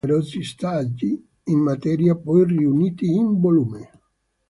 Ha scritto numerosi saggi in materia, poi riuniti in volume.